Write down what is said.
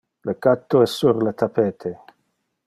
Le catto es sur le tapete.